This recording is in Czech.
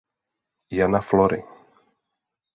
Jana Flory.